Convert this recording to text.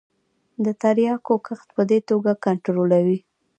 د تریاکو کښت په دې توګه کنترولوي.